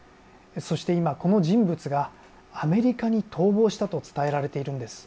そして今、この人物がアメリカに逃亡したと伝えられているんです。